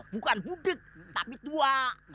bukan budik tapi tua